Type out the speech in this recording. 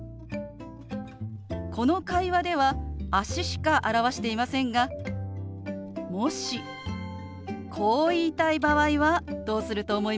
この会話では足しか表していませんがもしこう言いたい場合はどうすると思いますか？